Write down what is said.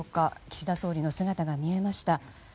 岸田総理の姿が見えました。